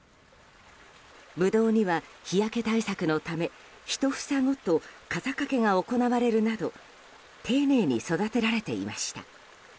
ブドウには日焼け対策のためひと房ごと傘かけが行われるなど丁寧に育てられていました。